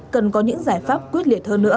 cần có những giải pháp quyết liệt hơn nữa